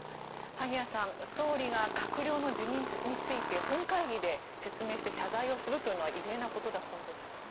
萩谷さん総理が閣僚の辞任について本会議で説明して謝罪するというのは異例なことだそうです。